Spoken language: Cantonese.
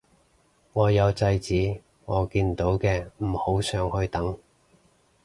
我有制止我見到嘅唔好上去等